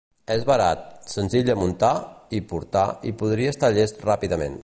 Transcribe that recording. És barat, senzill de muntar i portar i podria estar llest ràpidament.